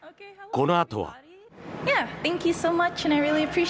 このあとは。